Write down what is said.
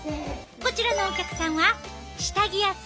こちらのお客さんは下着屋さん。